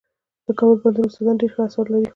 د کابل پوهنتون استادان ډېر ښه اثار لري.